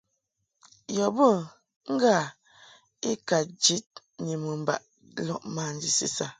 Yɔ be ŋgâ i ka jid ni mɨmbaʼ lɔʼ manji sisa.